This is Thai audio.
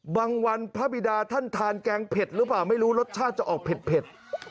วันพระบิดาท่านทานแกงเผ็ดหรือเปล่าไม่รู้รสชาติจะออกเผ็ด